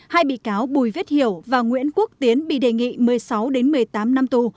hai bị cáo bùi viết hiểu và nguyễn quốc tiến bị đề nghị một mươi sáu một mươi tám năm tù